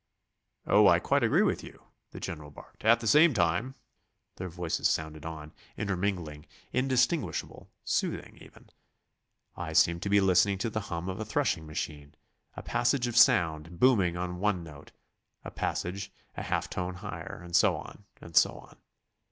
"Oh, I quite agree with you," the general barked; "at the same time...." Their voices sounded on, intermingling, indistinguishable, soothing even. I seemed to be listening to the hum of a threshing machine a passage of sound booming on one note, a passage, a half tone higher, and so on, and so on.